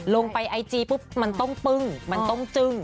ไอจีปุ๊บมันต้องปึ้งมันต้องจึ้ง